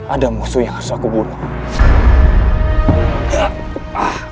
ada musuh yang harus aku bunuh